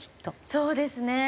そうですね。